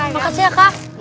makasih ya kak